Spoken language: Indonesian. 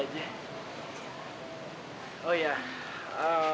satria bukannya dia cinta banget sama lo